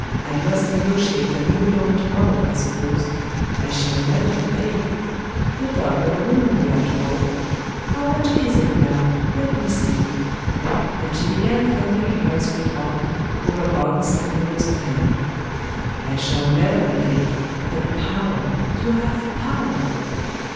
I must negotiate that new loan to morrow, I suppose.... I shall never be paid. The dog will ruin me, after all! How much is it, now? Let me see.'.... And she began fumbling in her escritoire, over bonds and notes of hand. 'I shall never be paid: but power! to have power!